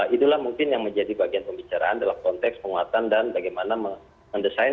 itulah mungkin yang menjadi bagian pembicaraan dalam konteks penguatan dan bagaimana mendesain